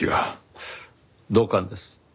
同感です。